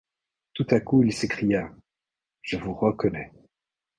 Tout à coup il s’écria: — Je vous reconnais.